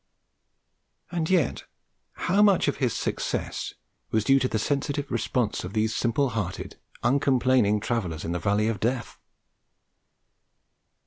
And yet how much of his success was due to the sensitive response of these simple hearted, uncomplaining travellers in the valley of Death!